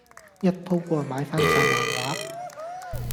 一鋪過買翻曬漫畫